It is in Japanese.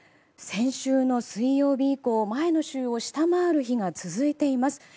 先週の水曜日以降前の週を下回る日が続いています。